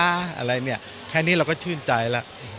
อะไรเนี่ยแค่นี้เราก็ชื่นใจแล้ว